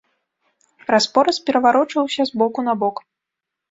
Раз-пораз пераварочваўся з боку на бок.